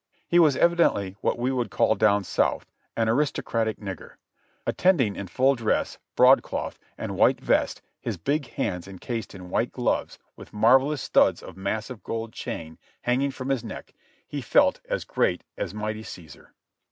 He was evidently what we would call down South "an aristo cratic nigger." Attending in full dress, broadcloth and white vest, his big hands encased in white gloves, with marvelous studs and massive gold chain hanging from his neck, he felt as great as mighty Caesar.